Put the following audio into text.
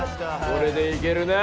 これでいけるな。